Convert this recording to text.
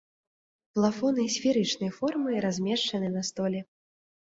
Плафоны сферычнай формы размешчаны на столі.